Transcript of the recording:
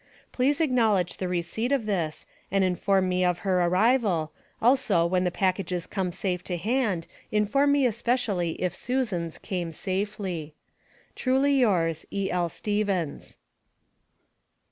Please acknowledge the receipt of this, and inform me of her arrival, also when the packages came safe to hand, inform me especially if Susan's came safely. Truly Yours, E.L. STEVENS.